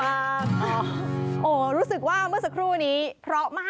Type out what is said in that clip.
อย่าหายนะ